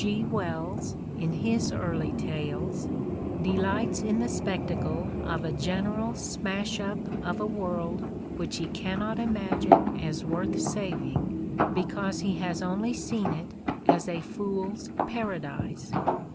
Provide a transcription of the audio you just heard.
G. Wells in his early tales, delights in the spec tacle of a general smash up of a world which he cannot imagine as worth saving because he has only seen it as a fool's paradise.